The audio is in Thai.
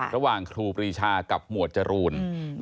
ระหว่างครูปีชากับหมวดจรูน